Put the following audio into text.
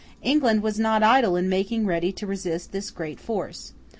England was not idle in making ready to resist this great force.